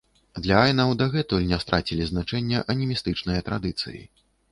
Для айнаў дагэтуль не страцілі значэння анімістычныя традыцыі.